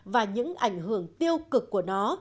và những ảnh hưởng tiêu cực của nó